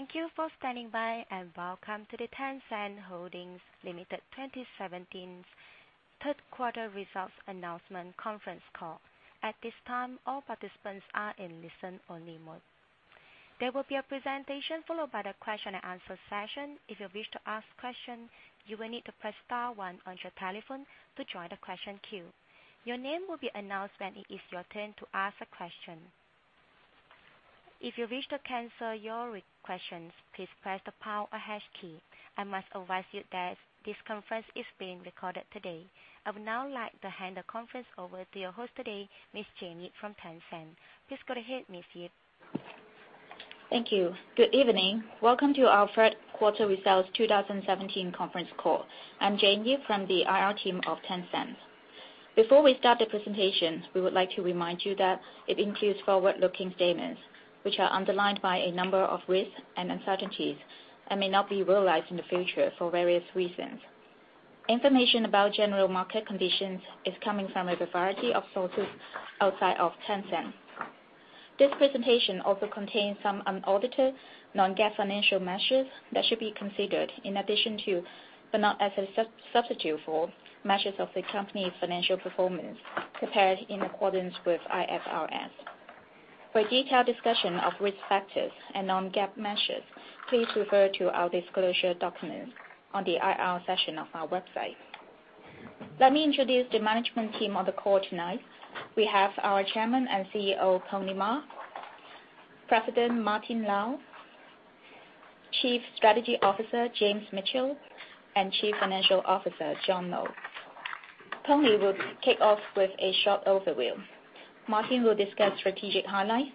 Thank you for standing by, and welcome to the Tencent Holdings Limited 2017 third quarter results announcement conference call. At this time, all participants are in listen-only mode. There will be a presentation, followed by the question and answer session. If you wish to ask question, you will need to press star one on your telephone to join the question queue. Your name will be announced when it is your turn to ask a question. If you wish to cancel your re- questions, please press the pound or hash key. I must advise you that this conference is being recorded today. I would now like to hand the conference over to your host today, Miss Jane Yip from Tencent. Please go ahead, Miss Yip. Thank you. Good evening. Welcome to our third quarter results 2017 conference call. I'm Jane Yip from the IR team of Tencent. Before we start the presentation, we would like to remind you that it includes forward-looking statements, which are underlined by a number of risks and uncertainties and may not be realized in the future for various reasons. Information about general market conditions is coming from a variety of sources outside of Tencent. This presentation also contains some unaudited, Non-GAAP financial measures that should be considered in addition to, but not as a substitute for, measures of the company's financial performance prepared in accordance with IFRS. For a detailed discussion of risk factors and Non-GAAP measures, please refer to our disclosure documents on the IR section of our website. Let me introduce the management team on the call tonight. We have our Chairman and CEO, Pony Ma; President Martin Lau; Chief Strategy Officer James Mitchell; and Chief Financial Officer John Lo. Pony will kick off with a short overview. Martin will discuss strategic highlights.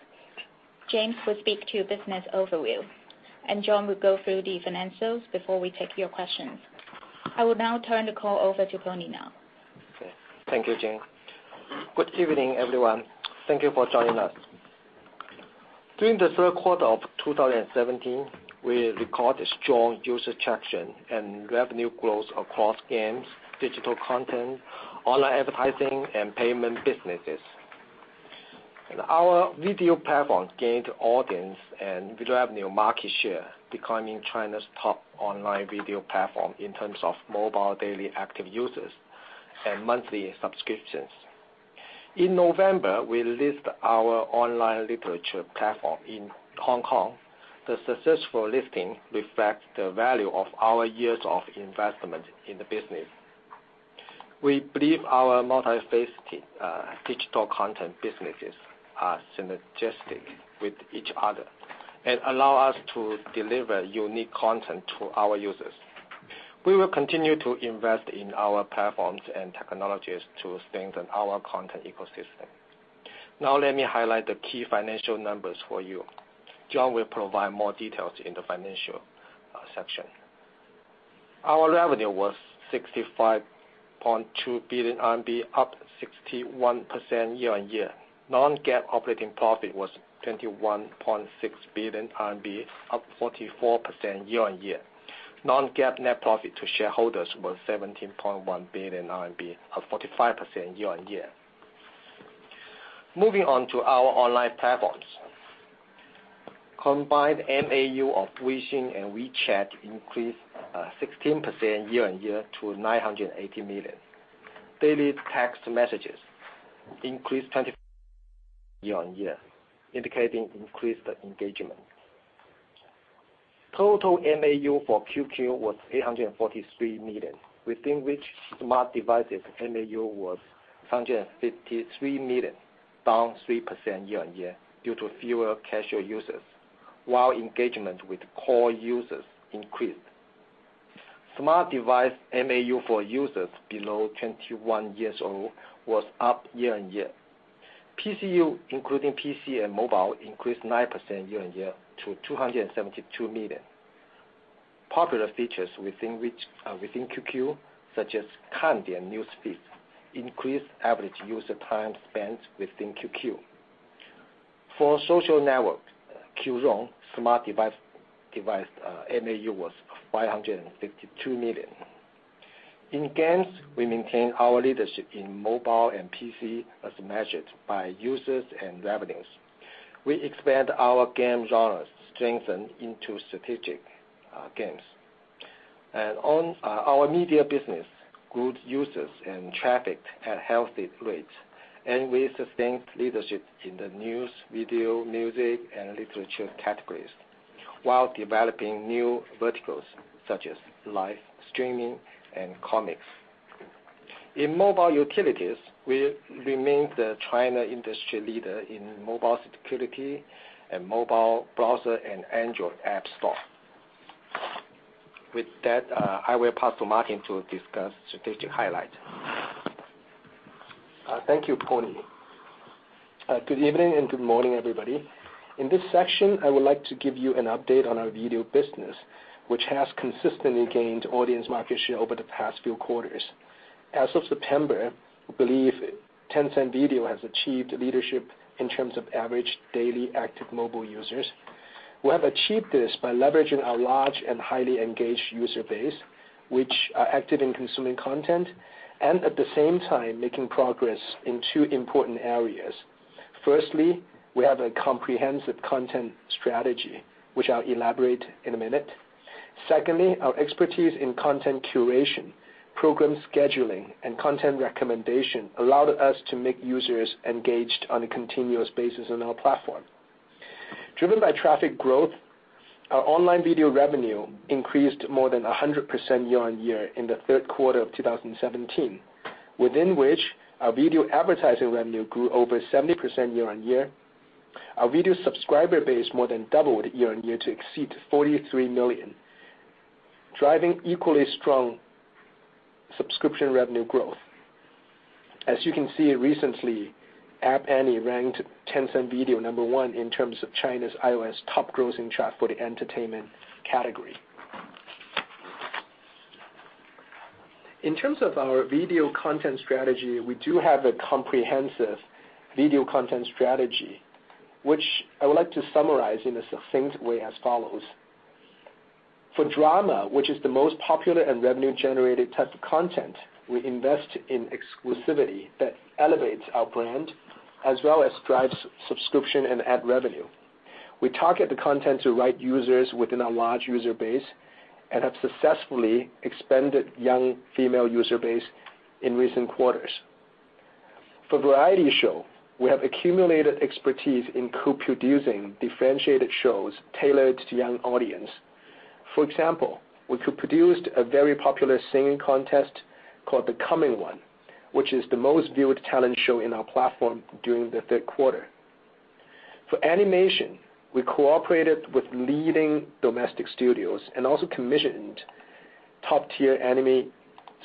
James will speak to business overview. John will go through the financials before we take your questions. I will now turn the call over to Pony Ma. Okay. Thank you, Jane. Good evening, everyone. Thank you for joining us. During the third quarter of 2017, we record a strong user traction and revenue growth across games, digital content, online advertising, and payment businesses. Our video platform gained audience and video revenue market share, becoming China's top online video platform in terms of mobile daily active users and monthly subscriptions. In November, we list our online literature platform in Hong Kong. The successful listing reflects the value of our years of investment in the business. We believe our multifaceted digital content businesses are synergistic with each other and allow us to deliver unique content to our users. We will continue to invest in our platforms and technologies to strengthen our content ecosystem. Now let me highlight the key financial numbers for you. John will provide more details in the financial section. Our revenue was 65.2 billion RMB, up 61% year-on-year. Non-GAAP operating profit was 21.6 billion RMB, up 44% year-on-year. Non-GAAP net profit to shareholders was 17.1 billion RMB, up 45% year-on-year. Moving on to our online platforms. Combined MAU of Weixin and WeChat increased 16% year-on-year to 980 million. Daily text messages increased 20% year-on-year, indicating increased engagement. Total MAU for QQ was 343 million, within which smart devices MAU was 153 million, down 3% year-on-year due to fewer casual users, while engagement with core users increased. Smart device MAU for users below 21 years old was up year-on-year. PCU, including PC and mobile, increased 9% year-on-year to 272 million. Popular features within QQ, such as Kandian news feeds increased average user time spent within QQ. For social network, Qzone smart device MAU was 552 million. In games, we maintain our leadership in mobile and PC as measured by users and revenues. We expand our game genres, strengthen into strategic games. On our media business, good users and traffic at healthy rates, and we sustained leadership in the news, video, music, and literature categories while developing new verticals such as live streaming and comics. In mobile utilities, we remained the China industry leader in mobile security and mobile browser and Android app store. With that, I will pass to Martin to discuss strategic highlights. Thank you, Pony. Good evening and good morning, everybody. In this section, I would like to give you an update on our video business, which has consistently gained audience market share over the past few quarters. As of September, we believe Tencent Video has achieved leadership in terms of average daily active mobile users. We have achieved this by leveraging our large and highly engaged user base, which are active in consuming content, and at the same time, making progress in two important areas. Firstly, we have a comprehensive content strategy, which I'll elaborate in a minute. Secondly, our expertise in content curation, program scheduling, and content recommendation allowed us to make users engaged on a continuous basis on our platform. Driven by traffic growth, our online video revenue increased more than 100% year-on-year in the third quarter of 2017, within which our video advertising revenue grew over 70% year-on-year. Our video subscriber base more than doubled year-on-year to exceed 43 million, driving equally strong subscription revenue growth. As you can see recently, App Annie ranked Tencent Video number one in terms of China's iOS top grossing chart for the entertainment category. In terms of our video content strategy, we do have a comprehensive video content strategy, which I would like to summarize in a succinct way as follows. For drama, which is the most popular and revenue-generating type of content, we invest in exclusivity that elevates our brand, as well as drives subscription and ad revenue. We target the content to right users within our large user base and have successfully expanded young female user base in recent quarters. For variety show, we have accumulated expertise in co-producing differentiated shows tailored to young audience. For example, we co-produced a very popular singing contest called "The Coming One," which is the most viewed talent show in our platform during the third quarter. For animation, we cooperated with leading domestic studios and also commissioned top-tier anime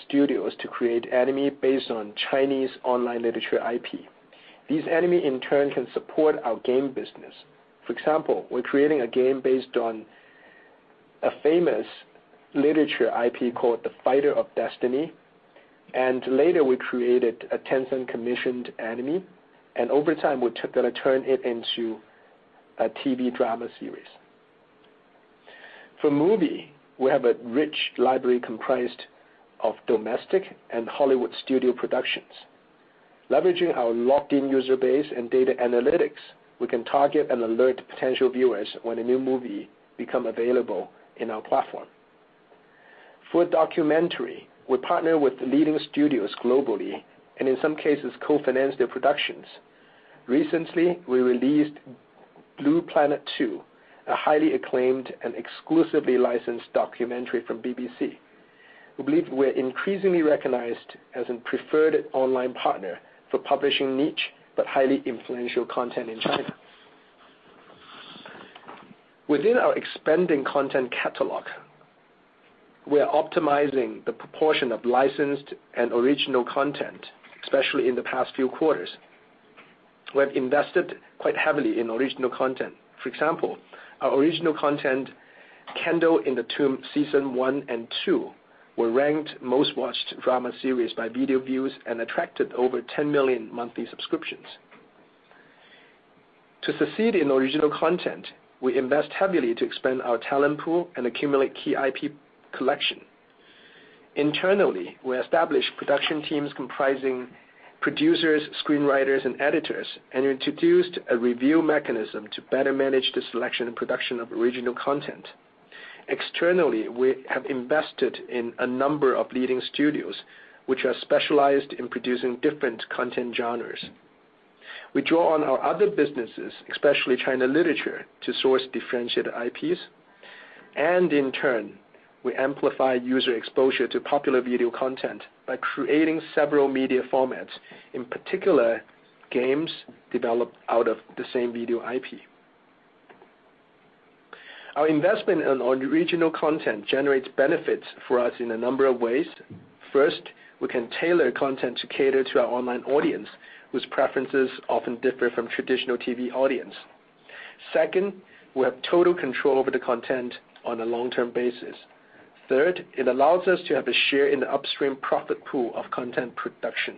studios to create anime based on Chinese online literature IP. These anime, in turn, can support our game business. For example, we're creating a game based on a famous literature IP called "Fighter of the Destiny." Later we created a Tencent-commissioned anime. Over time, we're going to turn it into a TV drama series. For movie, we have a rich library comprised of domestic and Hollywood studio productions. Leveraging our logged-in user base and data analytics, we can target and alert potential viewers when a new movie become available in our platform. For documentary, we partner with leading studios globally, and in some cases, co-finance their productions. Recently, we released "Blue Planet II," a highly acclaimed and exclusively licensed documentary from BBC. We believe we're increasingly recognized as a preferred online partner for publishing niche, but highly influential content in China. Within our expanding content catalog, we are optimizing the proportion of licensed and original content, especially in the past few quarters. We have invested quite heavily in original content. For example, our original content, "Candle in the Tomb," season one and two were ranked most-watched drama series by video views and attracted over 10 million monthly subscriptions. To succeed in original content, we invest heavily to expand our talent pool and accumulate key IP collection. Internally, we established production teams comprising producers, screenwriters, and editors. Introduced a review mechanism to better manage the selection and production of original content. Externally, we have invested in a number of leading studios, which are specialized in producing different content genres. We draw on our other businesses, especially China Literature, to source differentiated IPs. In turn, we amplify user exposure to popular video content by creating several media formats, in particular, games developed out of the same video IP. Our investment on original content generates benefits for us in a number of ways. First, we can tailor content to cater to our online audience, whose preferences often differ from traditional TV audience. Second, we have total control over the content on a long-term basis. Third, it allows us to have a share in the upstream profit pool of content production.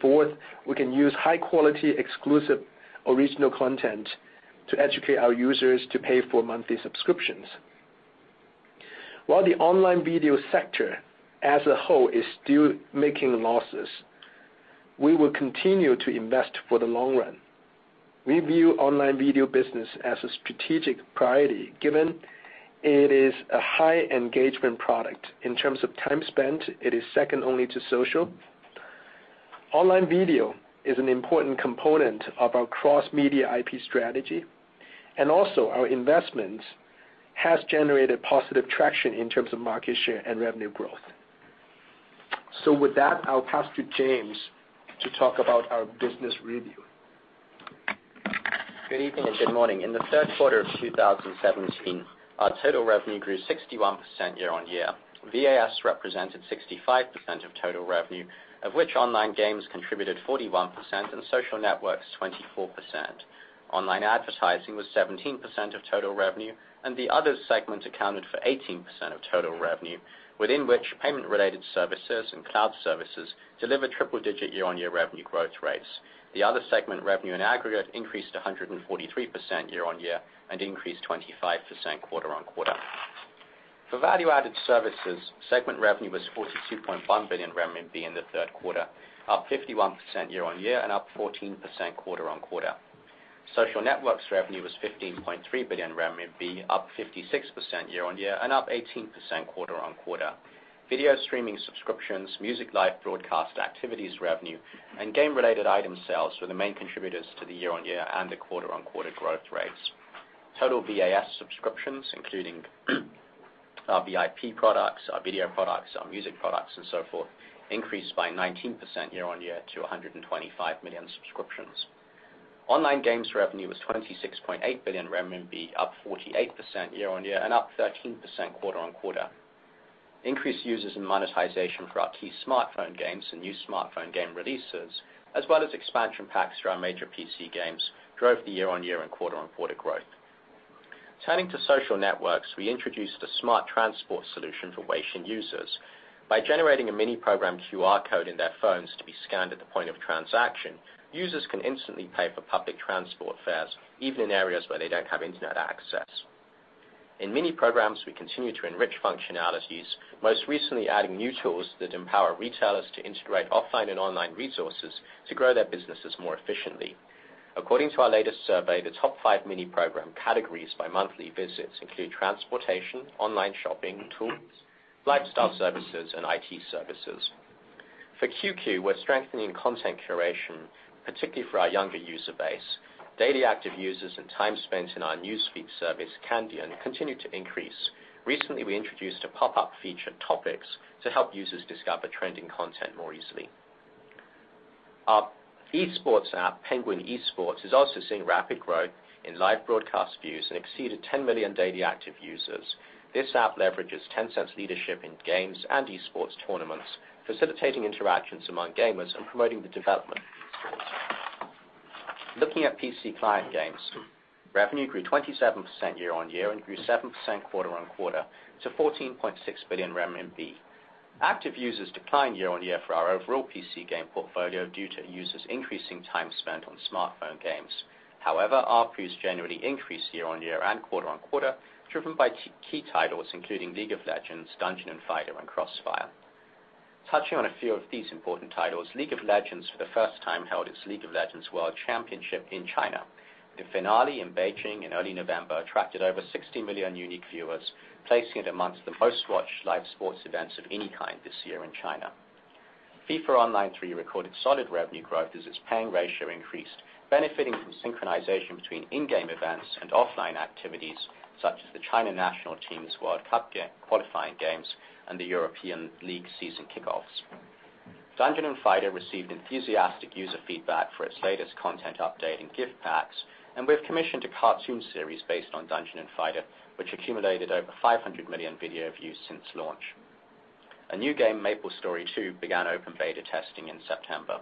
Fourth, we can use high-quality exclusive original content to educate our users to pay for monthly subscriptions. While the online video sector as a whole is still making losses, we will continue to invest for the long run. We view online video business as a strategic priority, given it is a high-engagement product. In terms of time spent, it is second only to social. Online video is an important component of our cross-media IP strategy, and also our investment has generated positive traction in terms of market share and revenue growth. With that, I'll pass to James to talk about our business review. Good evening and good morning. In the third quarter of 2017, our total revenue grew 61% year-on-year. VAS represented 65% of total revenue, of which online games contributed 41% and social networks 24%. Online advertising was 17% of total revenue, and the other segment accounted for 18% of total revenue, within which payment-related services and cloud services delivered triple-digit year-on-year revenue growth rates. The other segment revenue in aggregate increased 143% year-on-year and increased 25% quarter-on-quarter. For value-added services, segment revenue was 42.1 billion RMB in the third quarter, up 51% year-on-year and up 14% quarter-on-quarter. Social networks revenue was 15.3 billion RMB, up 56% year-on-year and up 18% quarter-on-quarter. Video streaming subscriptions, music live broadcast activities revenue, and game-related item sales were the main contributors to the year-on-year and the quarter-on-quarter growth rates. Total VAS subscriptions, including our VIP products, our video products, our music products, and so forth, increased by 19% year-on-year to 125 million subscriptions. Online games revenue was 26.8 billion renminbi, up 48% year-on-year and up 13% quarter-on-quarter. Increased users and monetization for our key smartphone games and new smartphone game releases, as well as expansion packs for our major PC games, drove the year-on-year and quarter-on-quarter growth. Turning to social networks, we introduced a smart transport solution for Weixin users. By generating a Mini Program QR Code in their phones to be scanned at the point of transaction, users can instantly pay for public transport fares, even in areas where they don't have internet access. In Mini Programs, we continue to enrich functionalities, most recently adding new tools that empower retailers to integrate offline and online resources to grow their businesses more efficiently. According to our latest survey, the top 5 Mini Program categories by monthly visits include transportation, online shopping, tools, lifestyle services, and IT services. For QQ, we're strengthening content curation, particularly for our younger user base. Daily active users and time spent in our newsfeed service, Kandian, continued to increase. Recently, we introduced a pop-up feature, Topics, to help users discover trending content more easily. Our esports app, Penguin Esports, is also seeing rapid growth in live broadcast views and exceeded 10 million daily active users. This app leverages Tencent's leadership in games and esports tournaments, facilitating interactions among gamers and promoting the development of esports. Looking at PC client games, revenue grew 27% year-on-year and grew 7% quarter-on-quarter to 14.6 billion RMB. Active users declined year-on-year for our overall PC game portfolio due to users increasing time spent on smartphone games. ARPU generally increased year-on-year and quarter-on-quarter, driven by key titles including "League of Legends", "Dungeon and Fighter", and "CrossFire". Touching on a few of these important titles, "League of Legends" for the first time held its "League of Legends" world championship in China. The finale in Beijing in early November attracted over 60 million unique viewers, placing it amongst the most-watched live sports events of any kind this year in China. "FIFA Online 3" recorded solid revenue growth as its paying ratio increased, benefiting from synchronization between in-game events and offline activities, such as the China National Team's World Cup qualifying games and the European League season kickoffs. "Dungeon and Fighter" received enthusiastic user feedback for its latest content update and gift packs, and we've commissioned a cartoon series based on "Dungeon and Fighter", which accumulated over 500 million video views since launch. A new game, "MapleStory 2", began open beta testing in September.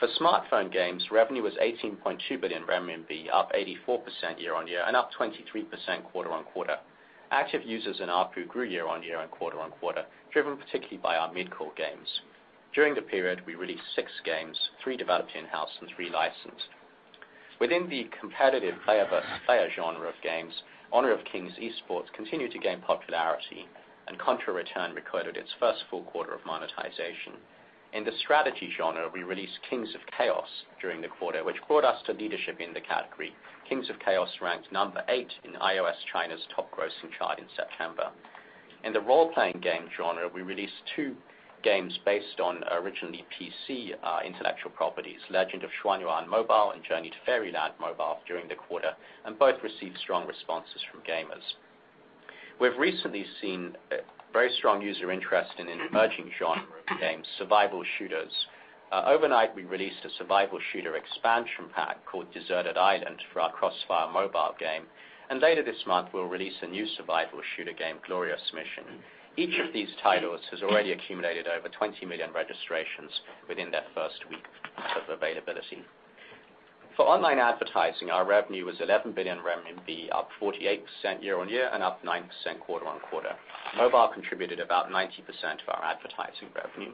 For smartphone games, revenue was 18.2 billion RMB, up 84% year-on-year and up 23% quarter-on-quarter. Active users and ARPU grew year-on-year and quarter-on-quarter, driven particularly by our mid-core games. During the period, we released six games, three developed in-house and three licensed. Within the competitive player-versus-player genre of games, "Honor of Kings" esports continued to gain popularity, and "Contra Returns" recorded its first full quarter of monetization. In the strategy genre, we released "Kings of Chaos" during the quarter, which brought us to leadership in the category. "Kings of Chaos" ranked number 8 in iOS China's top grossing chart in September. In the role-playing game genre, we released two games based on originally PC intellectual properties, "Legend of XuanYuan Mobile" and "Journey to Fairyland Mobile" during the quarter, and both received strong responses from gamers. We've recently seen very strong user interest in an emerging genre of games, survival shooters. Overnight, we released a survival shooter expansion pack called "Deserted Island" for our "CrossFire" mobile game, and later this month, we'll release a new survival shooter game, "Glorious Mission". Each of these titles has already accumulated over 20 million registrations within their first week of availability. For online advertising, our revenue was 11 billion RMB, up 48% year-on-year and up 9% quarter-on-quarter. Mobile contributed about 90% of our advertising revenue.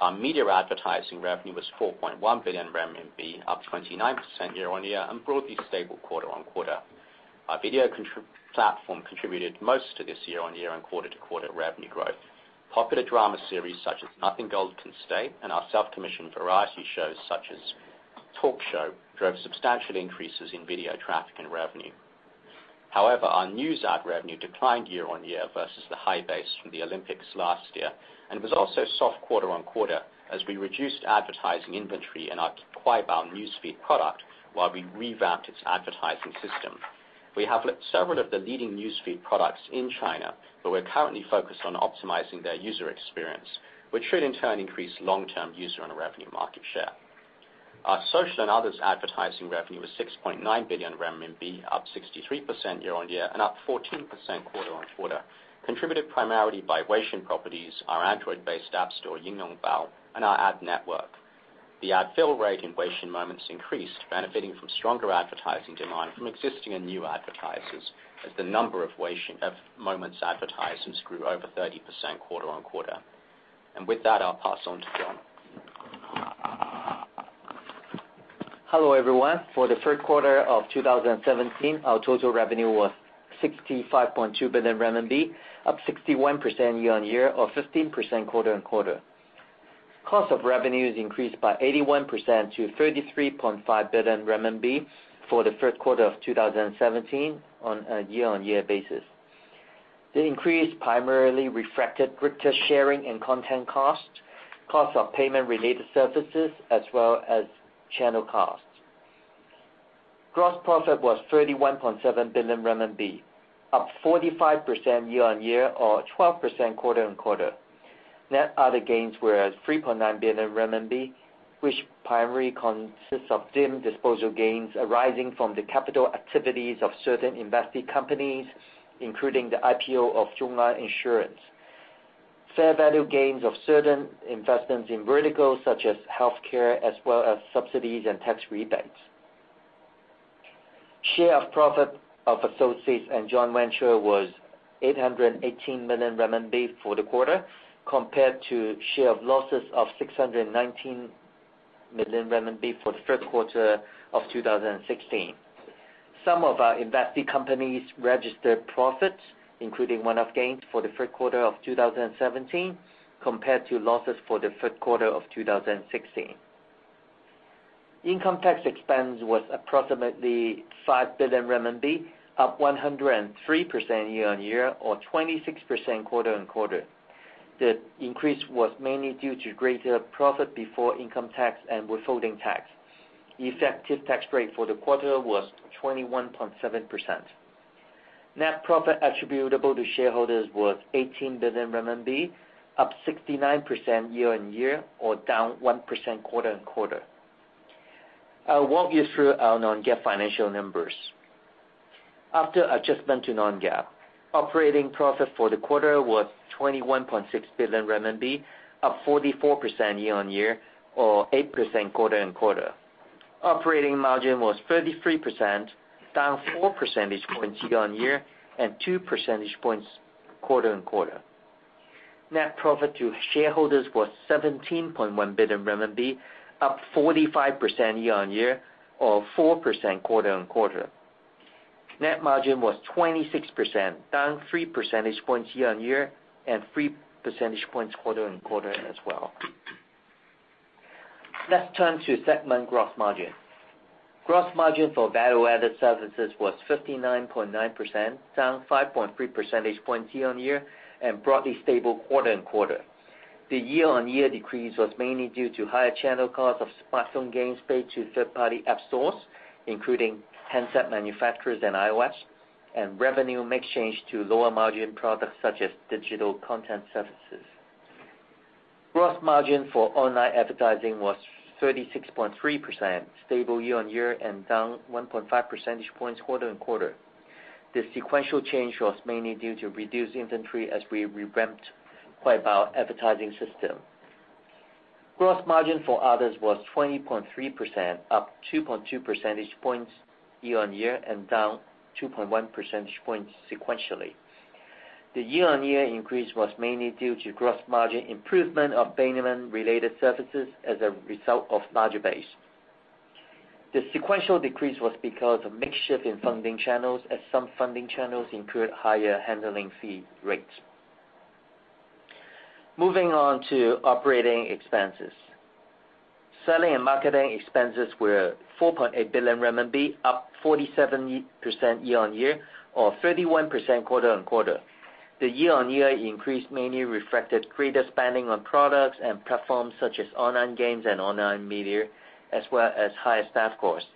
Our media advertising revenue was 4.1 billion RMB, up 29% year-on-year and broadly stable quarter-on-quarter. Our video platform contributed most to this year-on-year and quarter-to-quarter revenue growth. Popular drama series such as "Nothing Gold Can Stay" and our self-commissioned variety shows such as "Roast!", drove substantial increases in video traffic and revenue. Our news ad revenue declined year-on-year versus the high base from the Olympics last year, and it was also soft quarter-on-quarter as we reduced advertising inventory in our Kuaibao newsfeed product while we revamped its advertising system. We have several of the leading newsfeed products in China, but we're currently focused on optimizing their user experience, which should in turn increase long-term user and revenue market share. Our social and others advertising revenue was 6.9 billion renminbi, up 63% year-on-year and up 14% quarter-on-quarter, contributed primarily by Weixin properties, our Android-based app store, Ying Yong Bao, and our ad network. The ad fill rate in WeChat Moments increased, benefiting from stronger advertising demand from existing and new advertisers as the number of Moments advertisers grew over 30% quarter-on-quarter. With that, I'll pass on to John. Hello, everyone. For the third quarter of 2017, our total revenue was 65.2 billion RMB, up 61% year-on-year or 15% quarter-on-quarter. Cost of revenues increased by 81% to 33.5 billion renminbi for the third quarter of 2017 on a year-on-year basis. The increase primarily reflected greater sharing and content cost of payment related services, as well as channel costs. Gross profit was 31.7 billion RMB, up 45% year-on-year or 12% quarter-on-quarter. Net other gains were at 3.9 billion RMB, which primarily consists of deemed disposal gains arising from the capital activities of certain investee companies, including the IPO of ZhongAn Insurance. Fair value gains of certain investments in verticals such as healthcare, as well as subsidies and tax rebates. Share of profit of associates and joint venture was 818 million RMB for the quarter, compared to share of losses of 619 million RMB for the first quarter of 2016. Some of our investee companies registered profits, including one-off gains for the third quarter of 2017 compared to losses for the third quarter of 2016. Income tax expense was approximately 5 billion RMB, up 103% year-on-year or 26% quarter-on-quarter. The increase was mainly due to greater profit before income tax and withholding tax. Effective tax rate for the quarter was 21.7%. Net profit attributable to shareholders was 18 billion RMB, up 69% year-on-year or down 1% quarter-on-quarter. I'll walk you through our Non-GAAP financial numbers. After adjustment to Non-GAAP, operating profit for the quarter was 21.6 billion renminbi, up 44% year-on-year or 8% quarter-on-quarter. Operating margin was 33%, down four percentage points year-on-year and two percentage points quarter-on-quarter. Net profit to shareholders was 17.1 billion RMB, up 45% year-on-year or 4% quarter-on-quarter. Net margin was 26%, down three percentage points year-on-year and three percentage points quarter-on-quarter as well. Let's turn to segment gross margin. Gross margin for value-added services was 59.9%, down 5.3 percentage points year-on-year and broadly stable quarter-on-quarter. The year-on-year decrease was mainly due to higher channel costs of smartphone games paid to third-party app stores, including handset manufacturers and iOS, and revenue mix change to lower margin products such as digital content services. Gross margin for online advertising was 36.3%, stable year-on-year, and down 1.5 percentage points quarter-on-quarter. The sequential change was mainly due to reduced inventory as we revamped our advertising system. Gross margin for others was 20.3%, up 2.2 percentage points year-on-year and down 2.1 percentage points sequentially. The year-on-year increase was mainly due to gross margin improvement of payment-related services as a result of larger base. The sequential decrease was because of mix shift in funding channels as some funding channels incurred higher handling fee rates. Moving on to operating expenses. Selling and marketing expenses were 4.8 billion RMB, up 47% year-on-year or 31% quarter-on-quarter. The year-on-year increase mainly reflected greater spending on products and platforms such as online games and online media, as well as higher staff costs.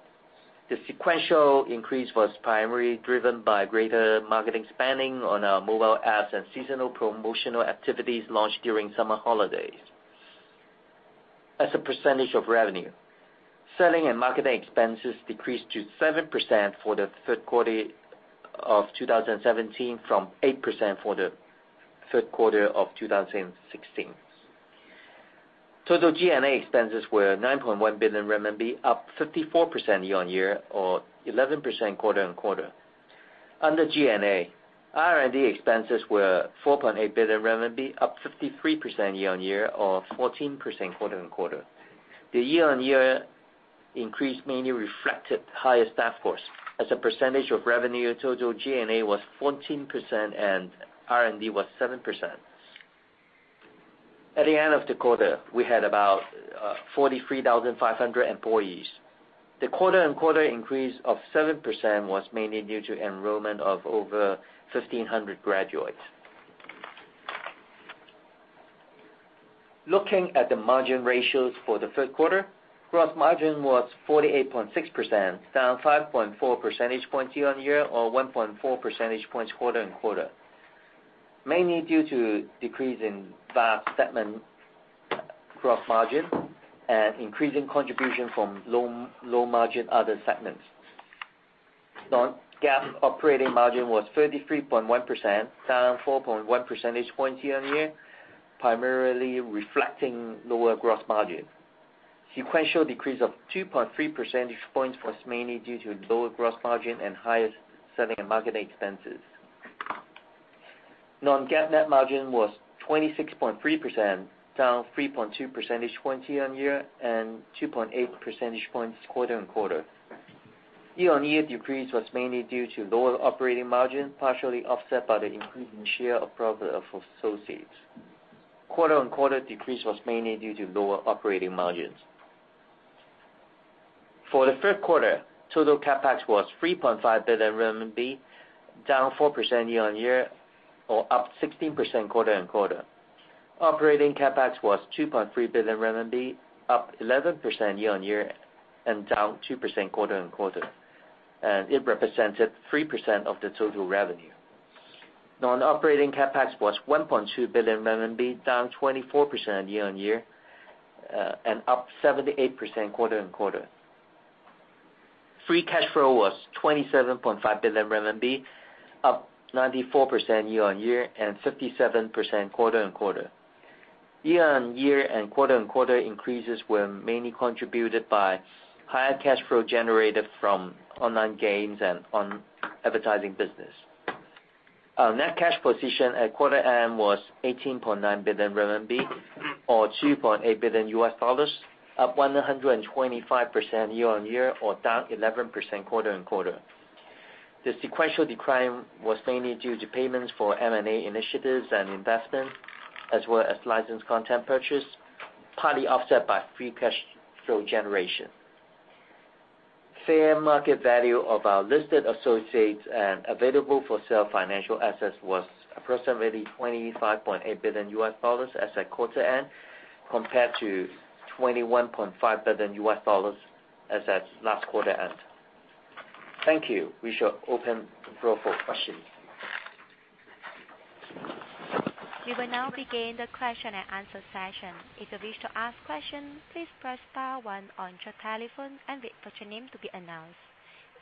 The sequential increase was primarily driven by greater marketing spending on our mobile apps and seasonal promotional activities launched during summer holidays. As a percentage of revenue, selling and marketing expenses decreased to 7% for the third quarter of 2017 from 8% for the third quarter of 2016. Total G&A expenses were 9.1 billion RMB, up 54% year-on-year or 11% quarter-on-quarter. Under G&A, R&D expenses were 4.8 billion RMB, up 53% year-on-year or 14% quarter-on-quarter. The year-on-year increase mainly reflected higher staff costs. As a percentage of revenue, total G&A was 14% and R&D was 7%. At the end of the quarter, we had about 43,500 employees. The quarter-on-quarter increase of 7% was mainly due to enrollment of over 1,500 graduates. Looking at the margin ratios for the third quarter, gross margin was 48.6%, down 5.4 percentage points year-on-year or 1.4 percentage points quarter-on-quarter, mainly due to decrease in VAS segment gross margin and increase in contribution from low margin other segments. Non-GAAP operating margin was 33.1%, down 4.1 percentage points year-on-year, primarily reflecting lower gross margin. Sequential decrease of 2.3 percentage points was mainly due to lower gross margin and higher selling and marketing expenses. Non-GAAP net margin was 26.3%, down 3.2 percentage points year-on-year, and 2.8 percentage points quarter-on-quarter. Year-on-year decrease was mainly due to lower operating margin, partially offset by the increase in share of profit of associates. Quarter-on-quarter decrease was mainly due to lower operating margins. For the third quarter, total CapEx was 3.5 billion RMB, down 4% year-on-year, or up 16% quarter-on-quarter. Operating CapEx was 2.3 billion RMB, up 11% year-on-year, and down 2% quarter-on-quarter. It represented 3% of the total revenue. Non-operating CapEx was 1.2 billion RMB, down 24% year-on-year, and up 78% quarter-on-quarter. Free cash flow was 27.5 billion RMB, up 94% year-on-year, and 57% quarter-on-quarter. Year-on-year and quarter-on-quarter increases were mainly contributed by higher cash flow generated from online games and on advertising business. Our net cash position at quarter end was 18.9 billion RMB, or $2.8 billion, up 125% year-on-year, or down 11% quarter-on-quarter. The sequential decline was mainly due to payments for M&A initiatives and investment, as well as licensed content purchase, partly offset by free cash flow generation. Fair market value of our listed associates and available-for-sale financial assets was approximately $25.8 billion as at quarter end, compared to $21.5 billion as at last quarter end. Thank you. We shall open the floor for questions. We will now begin the question-and-answer session. If you wish to ask question, please press star one on your telephone and wait for your name to be announced.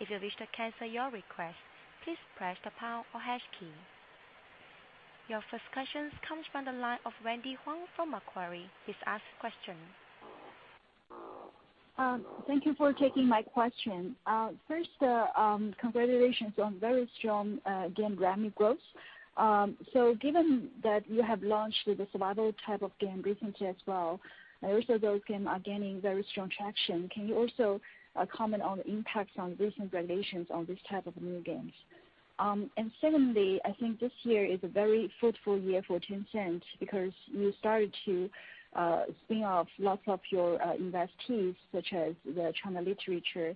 If you wish to cancel your request, please press the pound or hash key. Your first question comes from the line of Wendy Huang from Macquarie. Please ask question. Thank you for taking my question. First, congratulations on very strong game revenue growth. Given that you have launched the survival type of game recently as well, and also those game are gaining very strong traction, can you also comment on the impacts on recent regulations on this type of new games? Secondly, I think this year is a very fruitful year for Tencent because you started to spin off lots of your investees, such as the China Literature,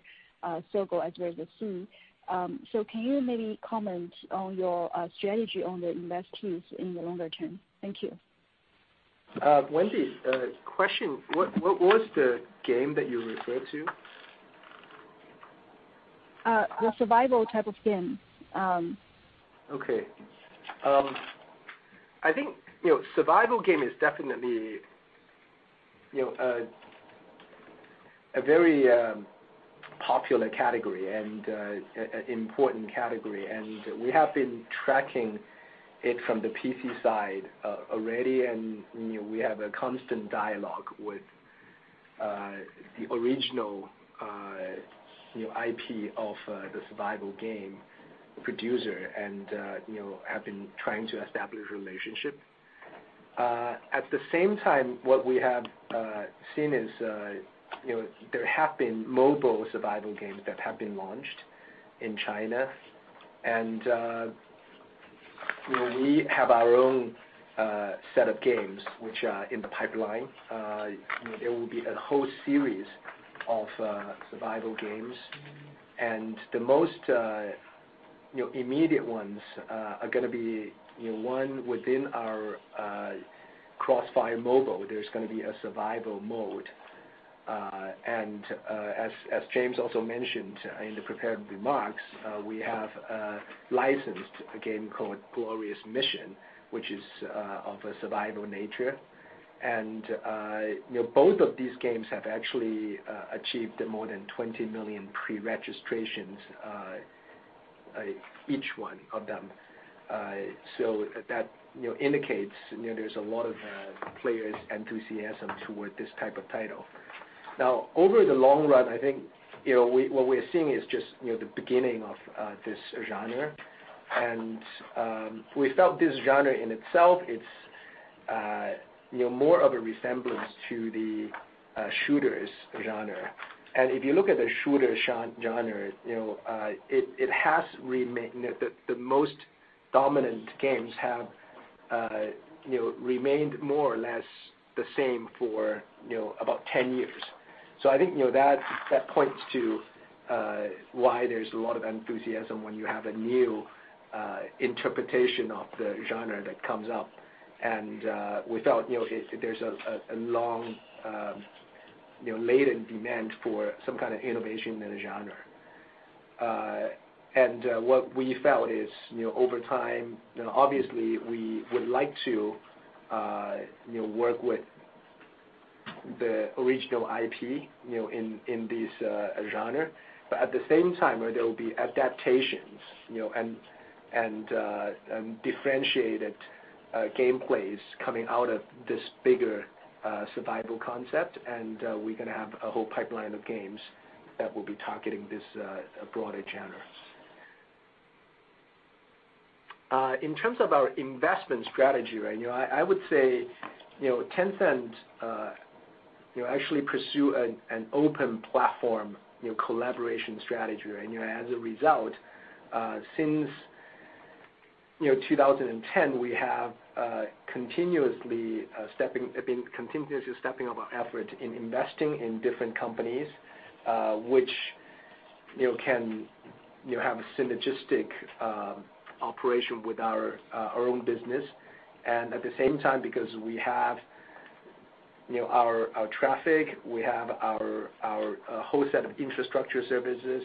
Sogou as well as Sea. Can you maybe comment on your strategy on the investees in the longer term? Thank you. Wendy, question, what was the game that you referred to? The survival type of game. Okay. I think survival game is definitely a very popular category and important category. We have been tracking it from the PC side already, and we have a constant dialogue with the original IP of the survival game producer, and have been trying to establish a relationship. At the same time, what we have seen is there have been mobile survival games that have been launched in China, and we have our own set of games which are in the pipeline. There will be a whole series of survival games. The most immediate ones are going to be one within our CrossFire mobile. There's going to be a survival mode. As James also mentioned in the prepared remarks, we have licensed a game called Glorious Mission, which is of a survival nature. Both of these games have actually achieved more than 20 million pre-registrations, each one of them. That indicates there's a lot of players' enthusiasm toward this type of title. Now, over the long run, I think what we're seeing is just the beginning of this genre. We felt this genre in itself, it's more of a resemblance to the shooters genre. If you look at the shooter genre, the most dominant games have remained more or less the same for about 10 years. I think that points to why there's a lot of enthusiasm when you have a new interpretation of the genre that comes up, and we felt there's a long latent demand for some kind of innovation in the genre. What we felt is, over time, obviously, we would like to work with the original IP in this genre. At the same time, there will be adaptations and differentiated Game plays coming out of this bigger survival concept. We're going to have a whole pipeline of games that will be targeting this broader genre. In terms of our investment strategy, I would say, Tencent actually pursue an open platform collaboration strategy. As a result, since 2010, we have continuously stepping up our effort in investing in different companies, which can have a synergistic operation with our own business. At the same time, because we have our traffic, we have our whole set of infrastructure services,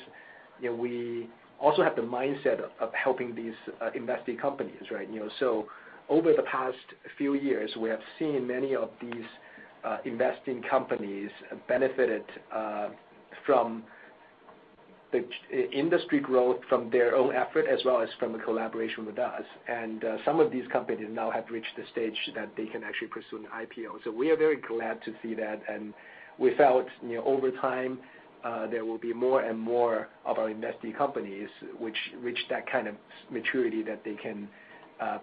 we also have the mindset of helping these investee companies. Over the past few years, we have seen many of these investing companies benefited from the industry growth from their own effort, as well as from a collaboration with us. Some of these companies now have reached the stage that they can actually pursue an IPO. We are very glad to see that. We felt, over time, there will be more and more of our investee companies which reach that kind of maturity that they can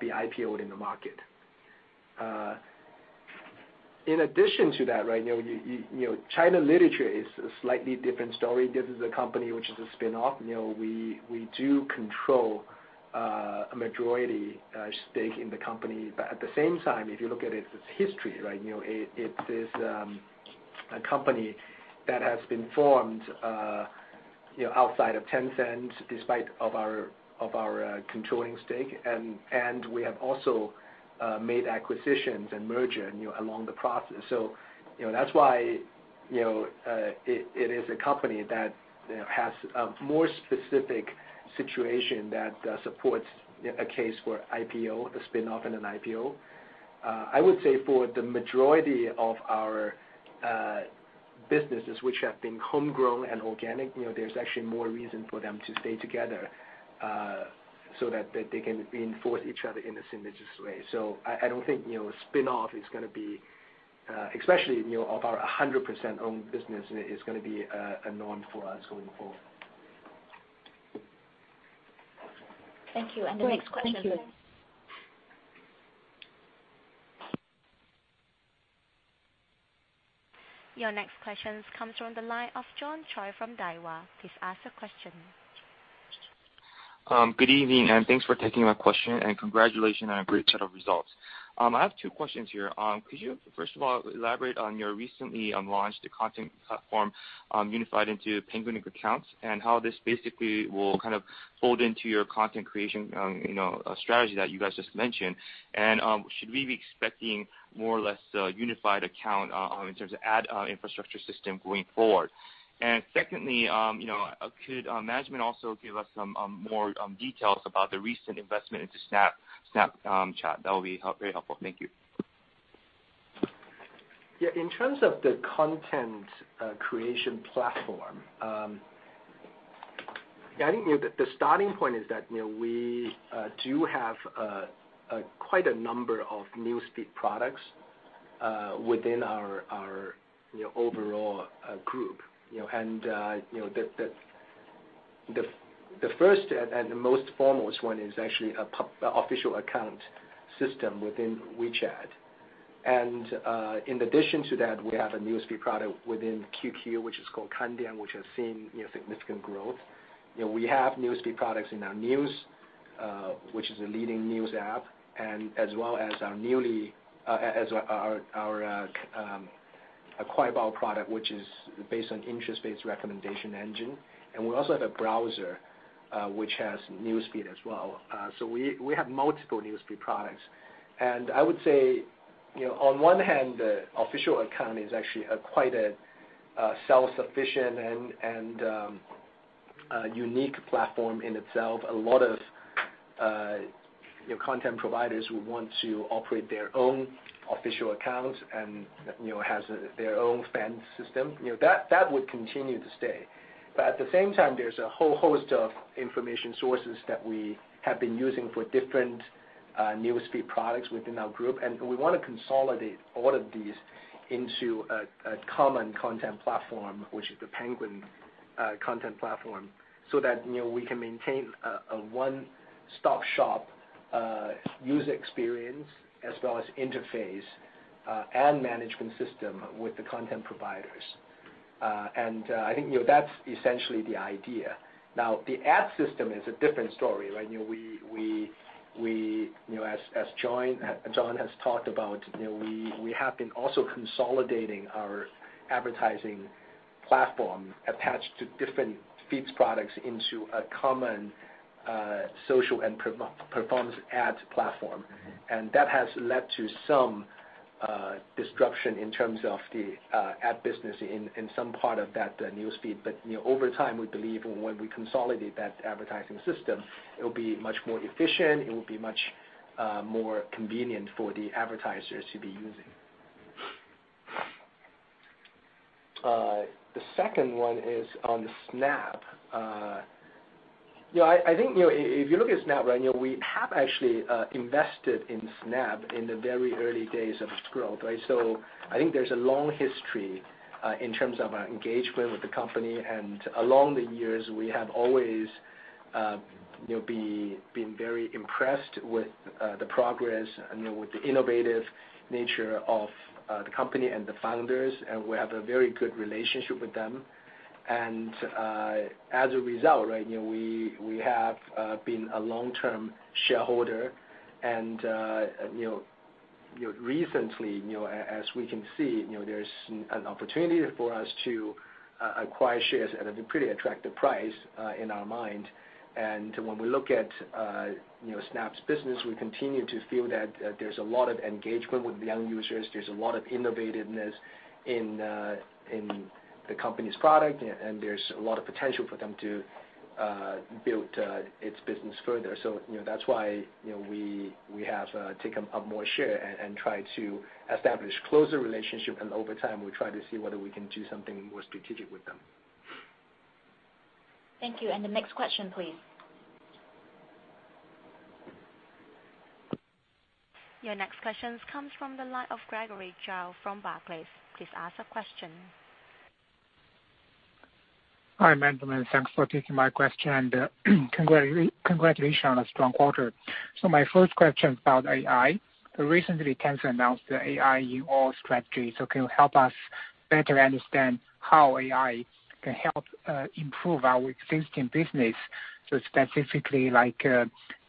be IPO'd in the market. In addition to that, China Literature is a slightly different story. This is a company which is a spinoff. We do control a majority stake in the company. At the same time, if you look at its history, it is a company that has been formed outside of Tencent despite of our controlling stake. We have also made acquisitions and merger along the process. That's why it is a company that has a more specific situation that supports a case for IPO, a spinoff and an IPO. I would say for the majority of our businesses which have been homegrown and organic, there's actually more reason for them to stay together, so that they can reinforce each other in a synergistic way. I don't think spinoff is going to be, especially of our 100% owned business, is going to be a norm for us going forward. Thank you. The next question. Great. Thank you. Your next question comes from the line of John Choi from Daiwa. Please ask the question. Good evening, thanks for taking my question, and congratulations on a great set of results. I have two questions here. Could you, first of all, elaborate on your recently launched content platform, unified into Penguin accounts, and how this basically will kind of fold into your content creation strategy that you guys just mentioned. Should we be expecting more or less a unified account in terms of ad infrastructure system going forward? Secondly, could management also give us some more details about the recent investment into Snapchat? That would be very helpful. Thank you. In terms of the content creation platform, I think the starting point is that we do have quite a number of newsfeed products within our overall group. The first and the most foremost one is actually a public official account system within WeChat. In addition to that, we have a newsfeed product within QQ, which is called Kandian, which has seen significant growth. We have newsfeed products in our Tencent News, which is a leading news app, as well as our Kuaibao product, which is based on interest-based recommendation engine. We also have a browser, which has newsfeed as well. We have multiple newsfeed products. I would say, on one hand, the official account is actually quite a self-sufficient and unique platform in itself. A lot of content providers who want to operate their own official account and has their own fan system, that would continue to stay. At the same time, there's a whole host of information sources that we have been using for different newsfeed products within our group, and we want to consolidate all of these into a common content platform, which is the Penguin content platform, so that we can maintain a one-stop shop user experience as well as interface and management system with the content providers. I think that's essentially the idea. Now, the ad system is a different story. As John has talked about, we have been also consolidating our advertising platform attached to different feeds products into a common social and performance ads platform. That has led to some disruption in terms of the ad business in some part of that newsfeed. Over time, we believe when we consolidate that advertising system, it will be much more efficient, it will be much more convenient for the advertisers to be using. The second one is on Snap. I think if you look at Snap right now, we have actually invested in Snap in the very early days of its growth, right? I think there's a long history in terms of our engagement with the company, and along the years, we have always been very impressed with the progress and with the innovative nature of the company and the founders, and we have a very good relationship with them. As a result, right, we have been a long-term shareholder and recently, as we can see, there's an opportunity for us to acquire shares at a pretty attractive price in our mind. When we look at Snap's business, we continue to feel that there's a lot of engagement with young users, there's a lot of innovativeness in the company's product, and there's a lot of potential for them to build its business further. That's why we have taken up more share and try to establish closer relationship, and over time, we try to see whether we can do something more strategic with them. Thank you. The next question, please. Your next question comes from the line of Gregory Zhao from Barclays. Please ask your question. Hi, gentlemen. Thanks for taking my question, and congratulations on a strong quarter. My first question is about AI. Recently, Tencent announced the AI in All strategy. Can you help us better understand how AI can help improve our existing business, specifically like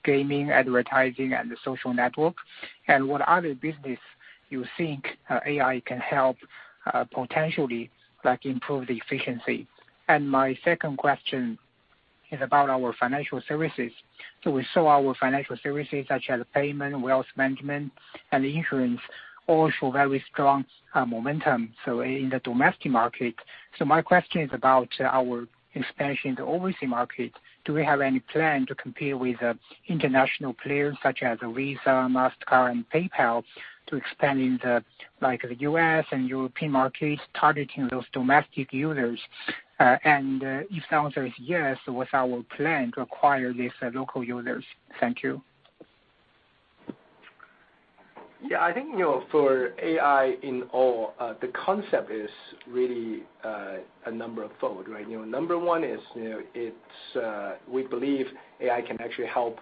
gaming, advertising, and the social network? What other business you think AI can help potentially improve the efficiency? My second question is about our financial services. We saw our financial services, such as payment, wealth management, and insurance, all show very strong momentum in the domestic market. My question is about our expansion in the overseas market. Do we have any plan to compete with international players such as Visa, Mastercard, and PayPal to expand into the U.S. and European markets targeting those domestic users? If the answer is yes, what's our plan to acquire these local users? Thank you. I think for AI in All, the concept is really a number of fold, right? Number 1 is we believe AI can actually help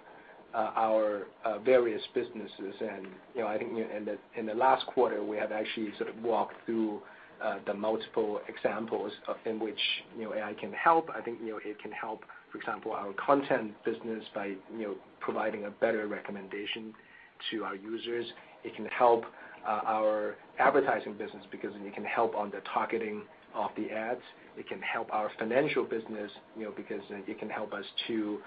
our various businesses. I think in the last quarter, we have actually sort of walked through the multiple examples in which AI can help. I think it can help, for example, our content business by providing a better recommendation to our users. It can help our advertising business because it can help on the targeting of the ads. It can help our financial business because it can help us to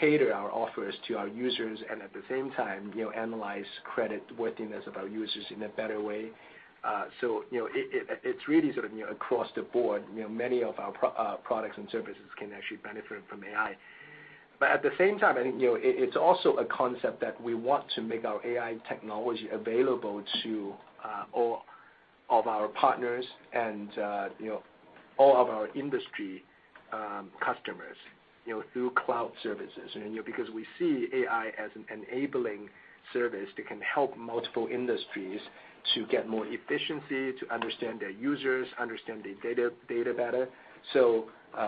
cater our offers to our users and at the same time analyze creditworthiness of our users in a better way. It's really sort of across the board, many of our products and services can actually benefit from AI. At the same time, I think it's also a concept that we want to make our AI technology available to all of our partners and all of our industry customers through cloud services. Because we see AI as an enabling service that can help multiple industries to get more efficiency, to understand their users, understand their data better.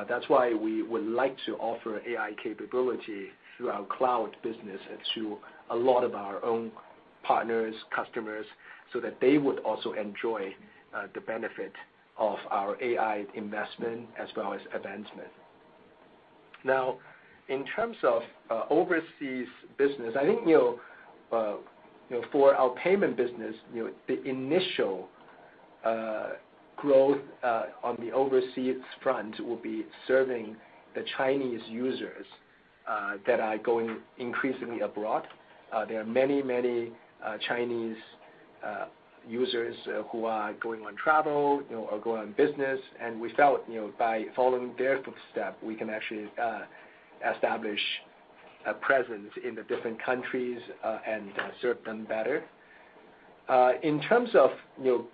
That's why we would like to offer AI capability through our cloud business and to a lot of our own partners, customers, so that they would also enjoy the benefit of our AI investment as well as advancement. In terms of overseas business, I think for our payment business, the initial growth on the overseas front will be serving the Chinese users that are going increasingly abroad. There are many, many Chinese users who are going on travel or going on business, and we felt by following their footsteps, we can actually establish a presence in the different countries and serve them better. In terms of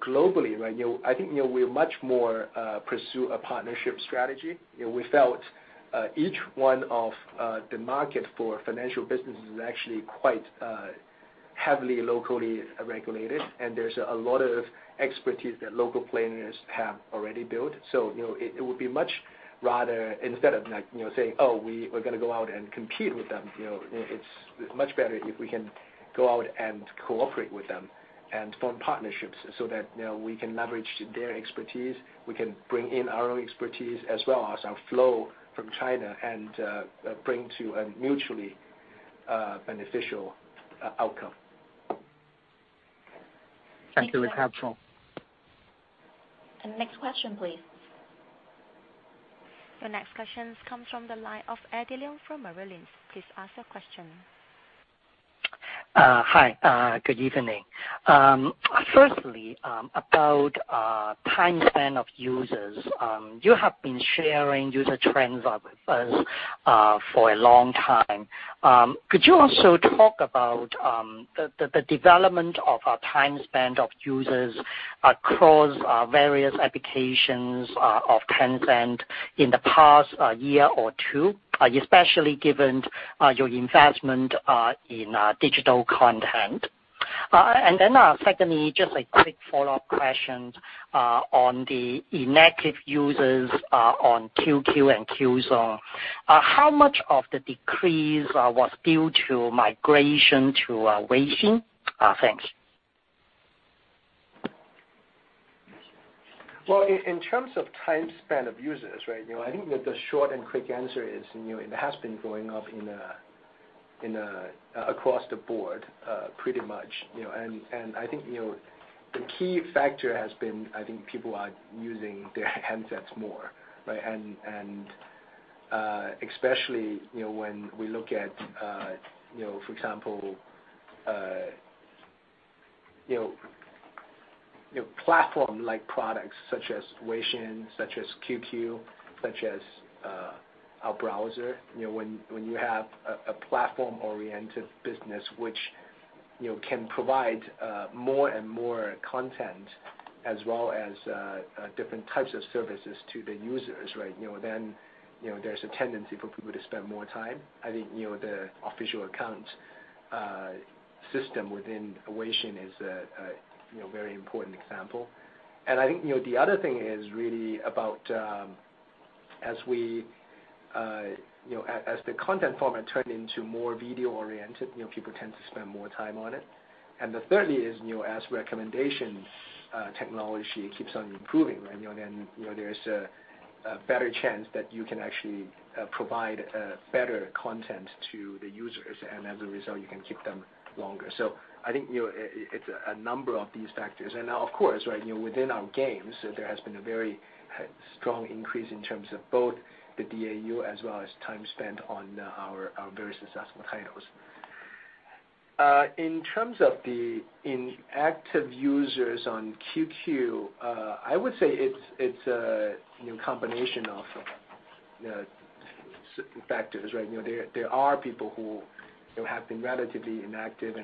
globally, right, I think we much more pursue a partnership strategy. We felt each one of the market for financial businesses is actually quite heavily locally regulated, and there's a lot of expertise that local players have already built. It would be much rather instead of saying, "Oh, we are gonna go out and compete with them," it's much better if we can go out and cooperate with them and form partnerships so that we can leverage their expertise, we can bring in our own expertise as well as our flow from China and bring to a mutually beneficial outcome. Thank you. Next question. Thank you. next question, please. Your next question comes from the line of Eddie Leung from Merrill Lynch. Please ask your question. Hi, good evening. Firstly, about time spent of users. You have been sharing user trends with us for a long time. Could you also talk about the development of time spent of users across various applications of Tencent in the past year or two, especially given your investment in digital content? secondly, just a quick follow-up question on the inactive users on QQ and QZone. How much of the decrease was due to migration to Weixin? Thanks. Well, in terms of time spent of users, I think that the short and quick answer is, it has been going up across the board, pretty much. I think, the key factor has been, I think people are using their handsets more. especially, when we look at, for example platform-like products such as Weixin, such as QQ, such as our browser. When you have a platform-oriented business which can provide more and more content as well as different types of services to the users, then there's a tendency for people to spend more time. I think, the official account system within Weixin is a very important example. I think, the other thing is really about as the content format turned into more video-oriented, people tend to spend more time on it. The thirdly is as recommendations technology keeps on improving, there is a better chance that you can actually provide better content to the users, as a result, you can keep them longer. I think it's a number of these factors. Now, of course, within our games, there has been a very strong increase in terms of both the DAU as well as time spent on our various successful titles. In terms of the inactive users on QQ, I would say it's a combination of factors. There are people who have been relatively inactive,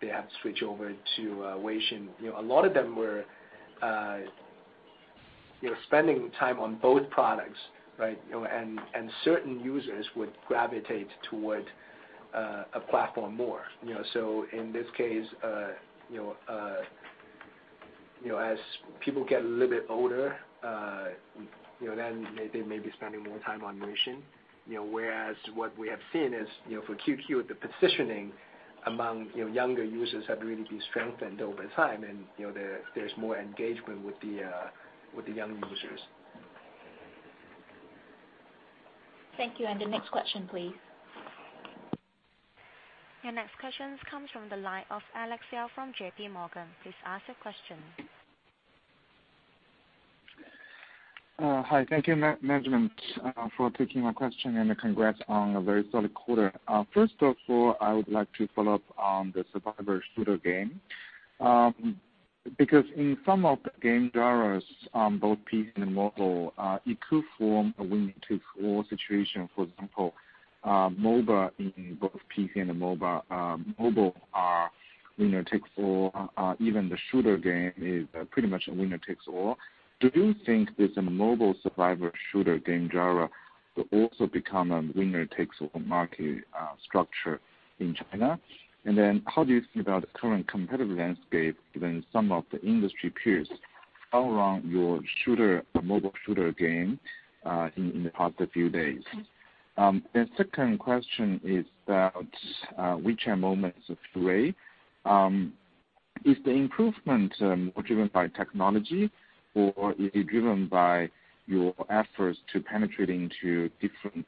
they have switched over to Weixin. A lot of them were spending time on both products. Certain users would gravitate toward a platform more. In this case, as people get a little bit older, they may be spending more time on Weixin. Whereas what we have seen is, for QQ, the positioning among younger users have really been strengthened over time, there's more engagement with the young users. Thank you. The next question, please. Your next question comes from the line of Alex Yao from J.P. Morgan. Please ask your question. Hi. Thank you, management, for taking my question. Congrats on a very solid quarter. First of all, I would like to follow up on the survivor shooter game. In some of game genres, both PC and mobile, it could form a winner-takes-all situation. For example, MOBA in both PC and mobile are winner takes all. Even the shooter game is pretty much a winner takes all. Do you think this mobile survivor shooter game genre will also become a winner-takes-all market structure in China? How do you think about the current competitive landscape, given some of the industry peers around your mobile shooter game in the past few days? The second question is about WeChat Moments array. Is the improvement more driven by technology, or is it driven by your efforts to penetrating to different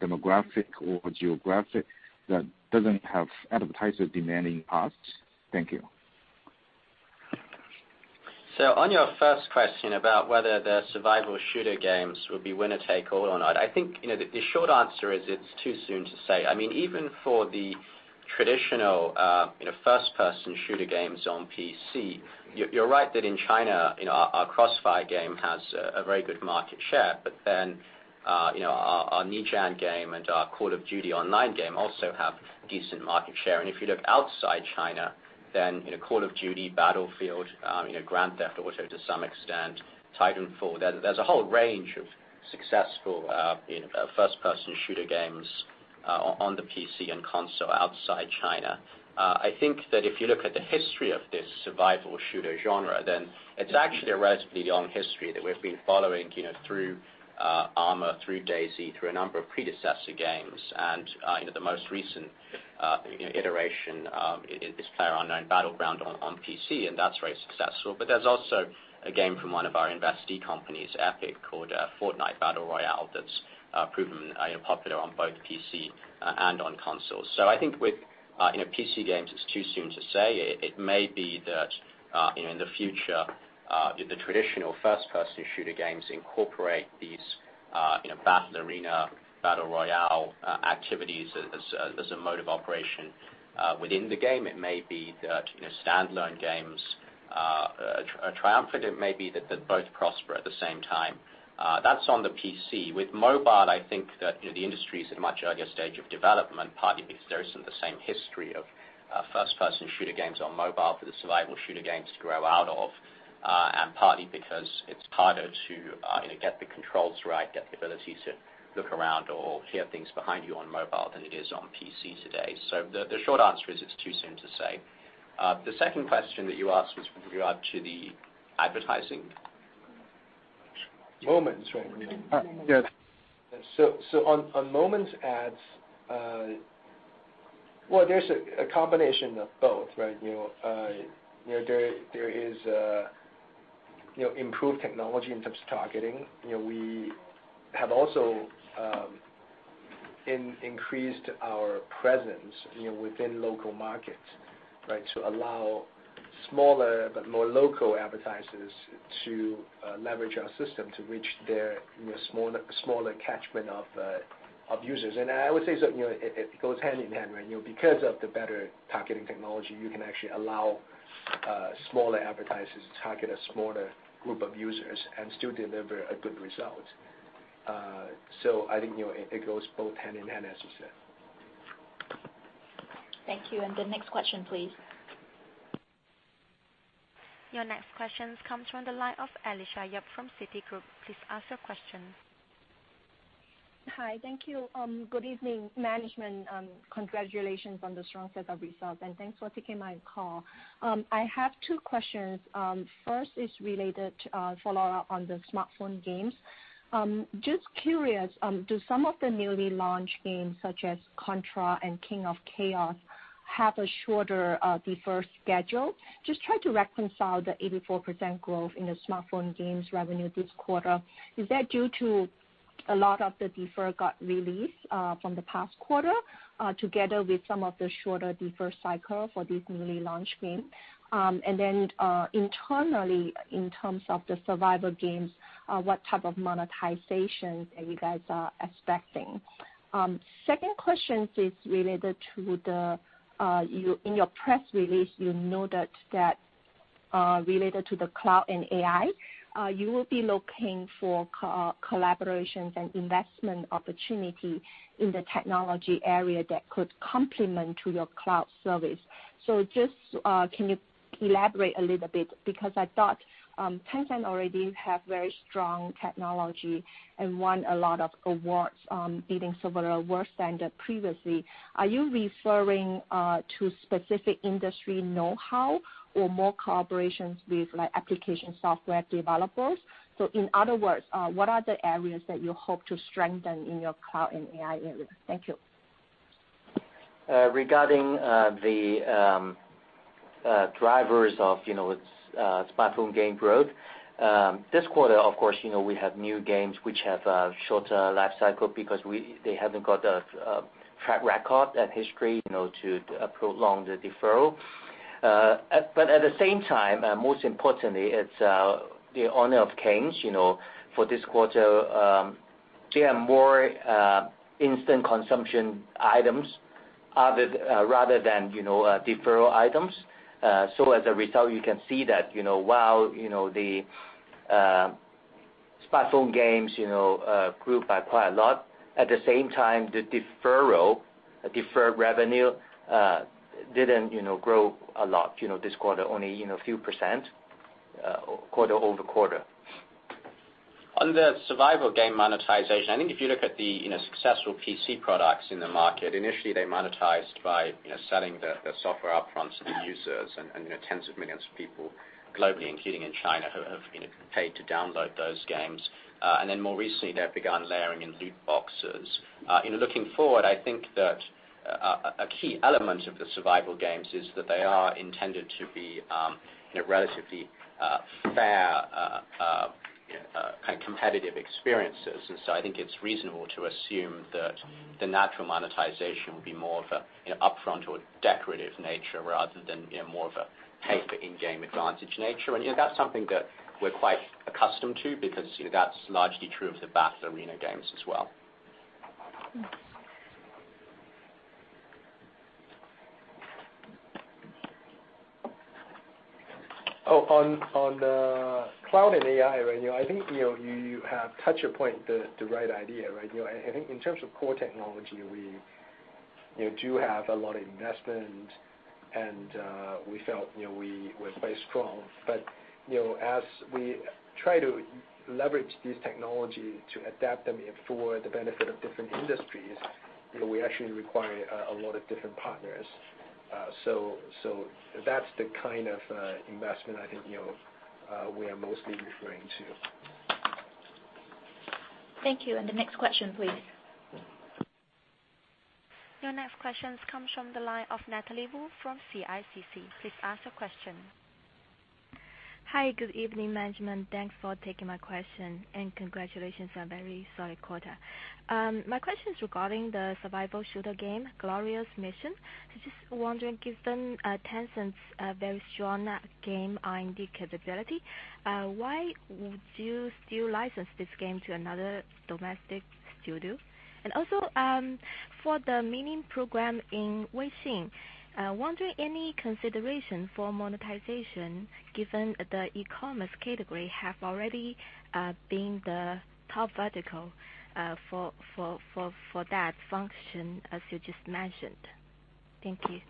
demographic or geographic that doesn't have advertiser demanding ads? Thank you. On your first question about whether the survival shooter games will be winner-take-all or not, I think, the short answer is it's too soon to say. Even for the traditional first-person shooter games on PC, you're right that in China, our CrossFire game has a very good market share. Our Ninjan game and our Call of Duty Online game also have decent market share. If you look outside China, Call of Duty, Battlefield, Grand Theft Auto to some extent, Titanfall, there's a whole range of successful first-person shooter games on the PC and console outside China. I think that if you look at the history of this survival shooter genre, it's actually a relatively long history that we've been following through Arma, through DayZ, through a number of predecessor games. The most recent iteration is PlayerUnknown's Battlegrounds on PC, and that's very successful. There's also a game from one of our investee companies, Epic, called Fortnite Battle Royale that's proven popular on both PC and on consoles. I think with PC games, it's too soon to say. It may be that in the future, the traditional first-person shooter games incorporate these battle arena, battle royale activities as a mode of operation within the game. It may be that standalone games A triumphant, it may be that they both prosper at the same time. That's on the PC. With mobile, I think that the industry is at a much earlier stage of development, partly because there isn't the same history of first-person shooter games on mobile for the survival shooter games to grow out of, and partly because it's harder to get the controls right, get the ability to look around or hear things behind you on mobile than it is on PC today. The short answer is it's too soon to say. The second question that you asked was with regard to the advertising? Moments, right? Yes. On Moments ads, well, there's a combination of both, right? There is improved technology in terms of targeting. We have also increased our presence within local markets, right? To allow smaller but more local advertisers to leverage our system to reach their smaller catchment of users. I would say it goes hand in hand because of the better targeting technology, you can actually allow smaller advertisers to target a smaller group of users and still deliver a good result. I think it goes both hand in hand, as you said. Thank you. The next question, please. Your next question comes from the line of Alicia Yap from Citigroup. Please ask your question. Hi. Thank you. Good evening, management. Congratulations on the strong set of results, and thanks for taking my call. I have two questions. First is related to follow up on the smartphone games. Just curious, do some of the newly launched games such as Contra and Kings of Chaos have a shorter deferred schedule? Just trying to reconcile the 84% growth in the smartphone games revenue this quarter. Is that due to a lot of the defer got released from the past quarter, together with some of the shorter defer cycle for these newly launched games? Then internally, in terms of the survival games what type of monetization are you guys are expecting? Second question is related to in your press release, you noted that related to the cloud and AI, you will be looking for collaborations and investment opportunity in the technology area that could complement to your cloud service. Just can you elaborate a little bit because I thought Tencent already have very strong technology and won a lot of awards beating several world standard previously. Are you referring to specific industry knowhow or more collaborations with application software developers? In other words what are the areas that you hope to strengthen in your cloud and AI area? Thank you. Regarding the drivers of smartphone game growth this quarter, of course, we have new games which have a shorter life cycle because they haven't got a track record and history to prolong the deferral. At the same time, most importantly, it's the Honor of Kings for this quarter there are more instant consumption items rather than deferral items. As a result, you can see that while the smartphone games grew by quite a lot, at the same time, the deferred revenue didn't grow a lot this quarter, only a few % quarter-over-quarter. On the survival game monetization, I think if you look at the successful PC products in the market, initially they monetized by selling the software upfront to the users and tens of millions of people globally, including in China, have paid to download those games. More recently, they've begun layering in loot boxes. In looking forward, I think that a key element of the survival games is that they are intended to be relatively fair competitive experiences. I think it's reasonable to assume that the natural monetization will be more of a upfront or decorative nature rather than more of a pay for in-game advantage nature. That's something that we're quite accustomed to because that's largely true of the battle arena games as well. On the cloud and AI, I think you have touched upon the right idea, right? I think in terms of core technology, we do have a lot of investment, and we felt we were quite strong. As we try to leverage these technologies to adapt them for the benefit of different industries, we actually require a lot of different partners. That's the kind of investment I think we are mostly referring to. Thank you. The next question, please. Your next question comes from the line of Natalie Wu from CICC. Please ask your question. Hi. Good evening, management. Thanks for taking my question, and congratulations on very solid quarter. My question is regarding the survival shooter game, Glorious Mission. Just wondering, given Tencent's very strong game R&D capability, why would you still license this game to another domestic studio? For the Mini Program in WeChat, wondering any consideration for monetization given the e-commerce category have already been the top vertical for that function as you just mentioned. Thank you.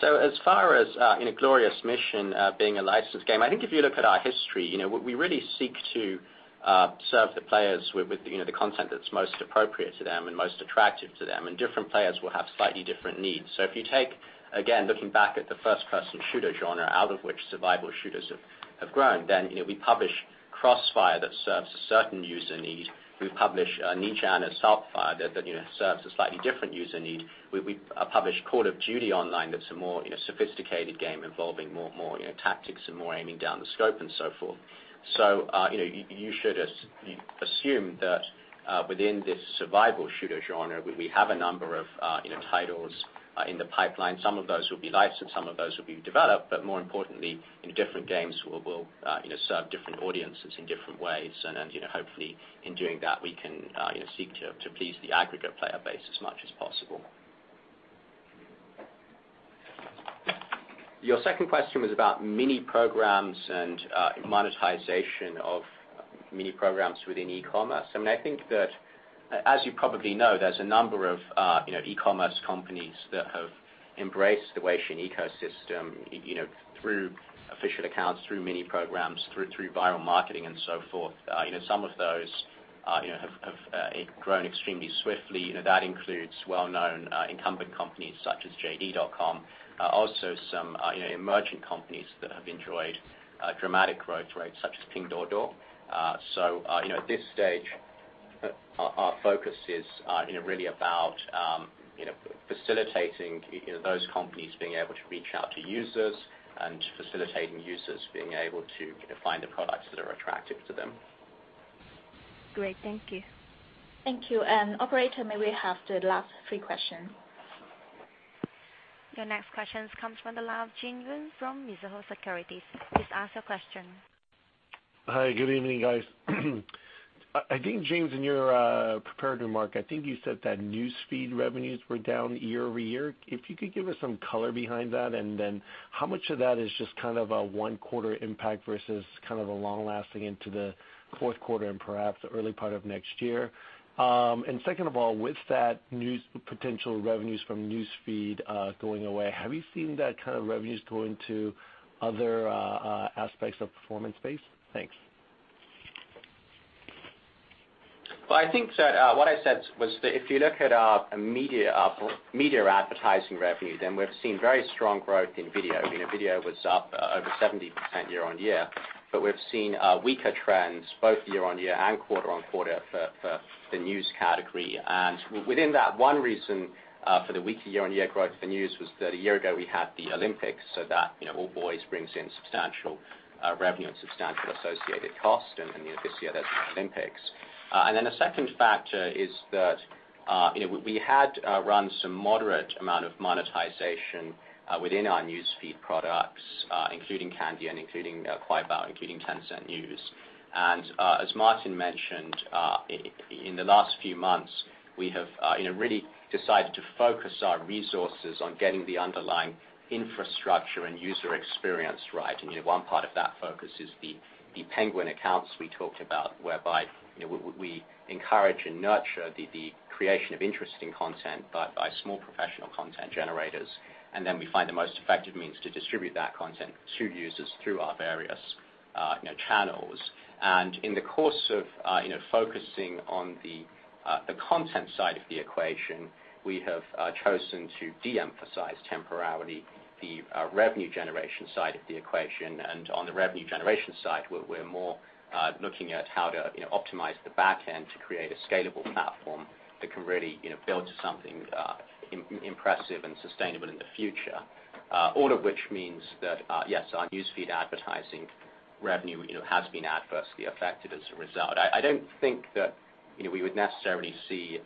As far as in a Glorious Mission being a licensed game, I think if you look at our history, what we really seek to serve the players with the content that's most appropriate to them and most attractive to them. Different players will have slightly different needs. If you take, again, looking back at the first-person shooter genre, out of which survival shooters have grown, we publish CrossFire, that serves a certain user need. We publish that serves a slightly different user need. We publish Call of Duty Online, that's a more sophisticated game involving more tactics and more aiming down the scope and so forth. You should assume that within this survival shooter genre, we have a number of titles in the pipeline. Some of those will be licensed, some of those will be developed, but more importantly, different games will serve different audiences in different ways. Then, hopefully, in doing that, we can seek to please the aggregate player base as much as possible. Your second question was about Mini Programs and monetization of Mini Programs within e-commerce. I think that, as you probably know, there's a number of e-commerce companies that have embraced the Weixin ecosystem through official accounts, through Mini Programs, through viral marketing, and so forth. Some of those have grown extremely swiftly. That includes well-known incumbent companies such as JD.com. Also some emerging companies that have enjoyed dramatic growth rates, such as Pinduoduo. At this stage, our focus is really about facilitating those companies being able to reach out to users and facilitating users being able to find the products that are attractive to them. Great. Thank you. Thank you. Operator, may we have the last three questions? Your next question comes from the line of Jin Yoon from Mizuho Securities. Please ask your question. Hi. Good evening, guys. James, in your prepared remark, I think you said that newsfeed revenues were down year-over-year. If you could give us some color behind that, how much of that is just a 1-quarter impact versus a long-lasting into Q4 and perhaps the early part of next year? Second of all, with that potential revenues from newsfeed going away, have you seen that kind of revenues go into other aspects of performance-based? Thanks. I think that what I said was that if you look at our media advertising revenue, we've seen very strong growth in video. Video was up over 70% year-on-year. We've seen weaker trends both year-on-year and quarter-on-quarter for the news category. Within that, one reason for the weaker year-on-year growth for news was that a year ago we had the Olympics. That always brings in substantial revenue and substantial associated cost. This year there's no Olympics. The second factor is that we had run some moderate amount of monetization within our newsfeed products including Kandian, including Kuaibao, including Tencent News. As Martin mentioned, in the last few months, we have really decided to focus our resources on getting the underlying infrastructure and user experience right. One part of that focus is the Penguin accounts we talked about, whereby we encourage and nurture the creation of interesting content by small professional content generators. We find the most effective means to distribute that content to users through our various channels. In the course of focusing on the content side of the equation, we have chosen to de-emphasize temporarily the revenue generation side of the equation. On the revenue generation side, we're more looking at how to optimize the back end to create a scalable platform that can really build to something impressive and sustainable in the future. All of which means that, yes, our newsfeed advertising revenue has been adversely affected as a result. I don't think that we would necessarily see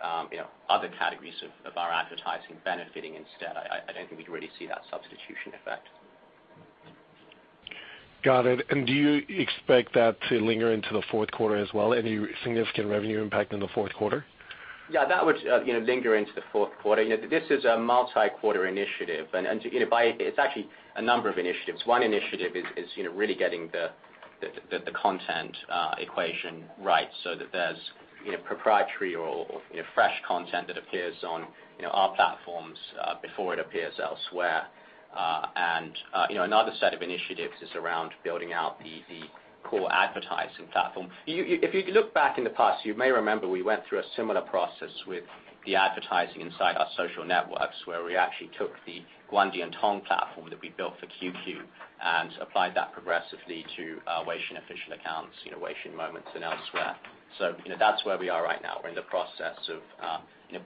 other categories of our advertising benefiting instead. I don't think we'd really see that substitution effect. Got it. Do you expect that to linger into Q4 as well? Any significant revenue impact in Q4? Yeah, that would linger into the fourth quarter. This is a multi-quarter initiative, and it's actually a number of initiatives. One initiative is really getting the content equation right so that there's proprietary or fresh content that appears on our platforms before it appears elsewhere. Another set of initiatives is around building out the core advertising platform. If you look back in the past, you may remember we went through a similar process with the advertising inside our social networks, where we actually took the Guangdiantong platform that we built for QQ and applied that progressively to Weixin official accounts, Weixin Moments, and elsewhere. That's where we are right now. We're in the process of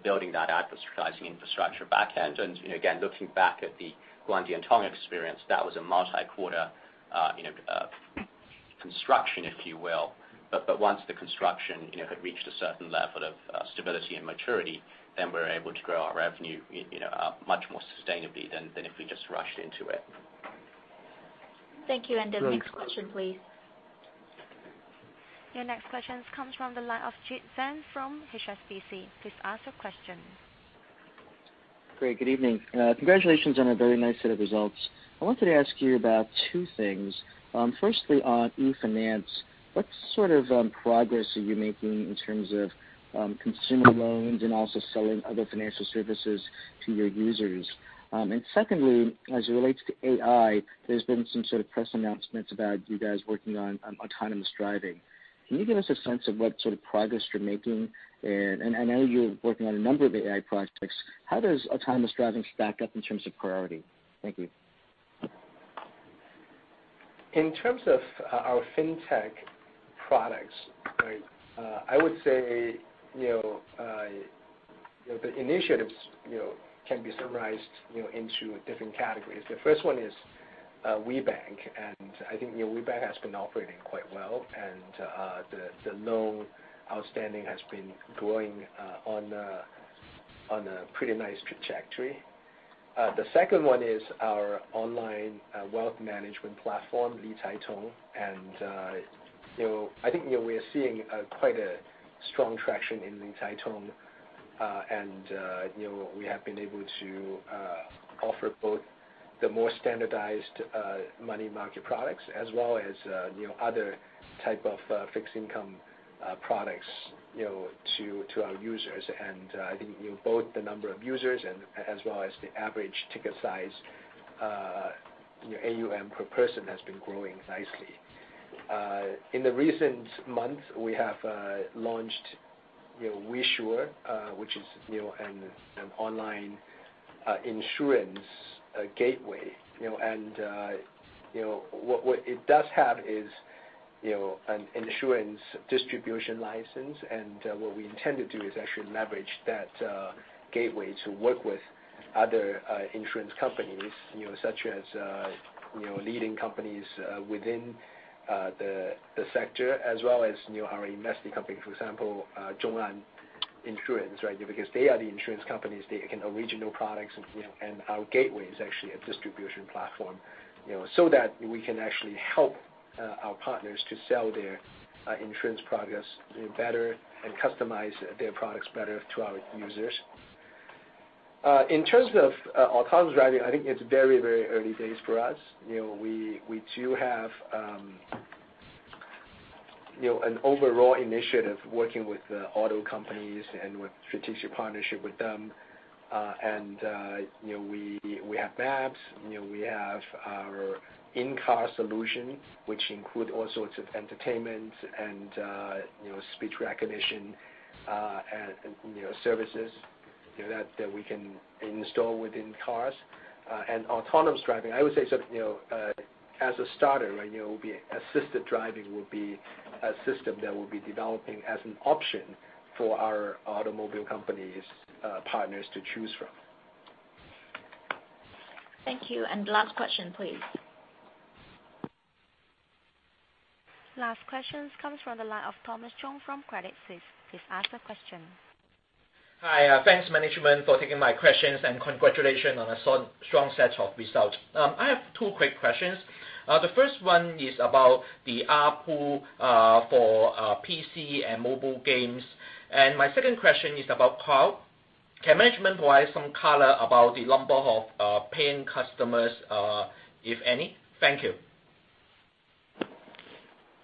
building that advertising infrastructure back end. Again, looking back at the Guangdiantong experience, that was a multi-quarter construction, if you will. Once the construction had reached a certain level of stability and maturity, then we were able to grow our revenue up much more sustainably than if we just rushed into it. Thank you. The next question, please. Your next question comes from the line of Chi Tsang from HSBC. Please ask your question. Great. Good evening. Congratulations on a very nice set of results. I wanted to ask you about two things. Firstly, on e-finance, what sort of progress are you making in terms of consumer loans and also selling other financial services to your users? Secondly, as it relates to AI, there's been some sort of press announcements about you guys working on autonomous driving. Can you give us a sense of what sort of progress you're making? I know you're working on a number of AI projects. How does autonomous driving stack up in terms of priority? Thank you. In terms of our fintech products, I would say the initiatives can be summarized into different categories. The first one is WeBank. I think WeBank has been operating quite well and the loan outstanding has been growing on a pretty nice trajectory. The second one is our online wealth management platform, Licaitong. I think we are seeing quite strong traction in Licaitong, and we have been able to offer both the more standardized money market products as well as other type of fixed income products to our users. I think both the number of users as well as the average ticket size, AUM per person has been growing nicely. In the recent months, we have launched WeSure, which is an online insurance gateway. What it does have is an insurance distribution license, and what we intend to do is actually leverage that gateway to work with other insurance companies such as leading companies within the sector, as well as our invested company, for example, ZhongAn Insurance. Because they are the insurance companies, they can original products, and our gateway is actually a distribution platform so that we can actually help our partners to sell their insurance products better and customize their products better to our users. In terms of autonomous driving, I think it's very early days for us. We do have an overall initiative working with auto companies and with strategic partnership with them. We have maps, we have our in-car solution, which include all sorts of entertainment and speech recognition services that we can install within cars. Autonomous driving, I would say as a starter, assisted driving will be a system that we'll be developing as an option for our automobile companies partners to choose from. Thank you. Last question, please. Last question comes from the line of Thomas Chong from Credit Suisse. Please ask a question. Hi. Thanks management for taking my questions and congratulations on a strong set of results. I have two quick questions. The first one is about the ARPU for PC and mobile games. My second question is about cloud. Can management provide some color about the number of paying customers, if any? Thank you.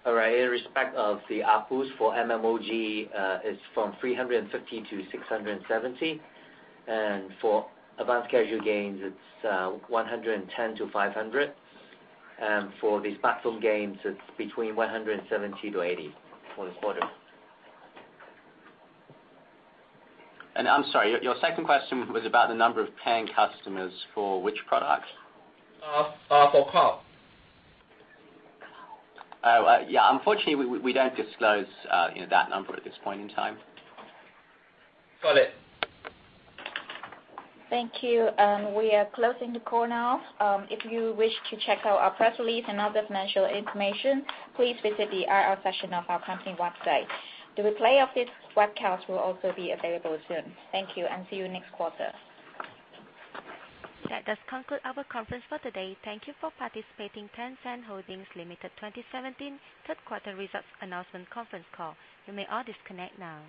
All right. In respect of the ARPUs for MMOG, it's from 350-670, and for advanced casual games, it's 110-500. For these platform games, it's between 170 to 80 for the quarter. I'm sorry, your second question was about the number of paying customers for which product? For cloud. Oh, yeah. Unfortunately, we don't disclose that number at this point in time. Got it. Thank you. We are closing the call now. If you wish to check out our press release and other financial information, please visit the IR section of our company website. The replay of this webcast will also be available soon. Thank you and see you next quarter. That does conclude our conference for today. Thank you for participating. Tencent Holdings Limited 2017 third quarter results announcement conference call. You may all disconnect now.